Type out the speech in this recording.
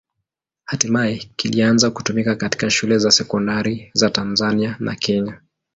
Hatimaye kilianza kutumika katika shule za sekondari za Tanzania na Kenya.